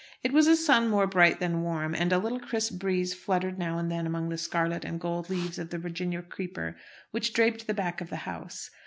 It was a sun more bright than warm; and a little crisp breeze fluttered now and then among the scarlet and gold leaves of the virginia creeper which draped the back of the house.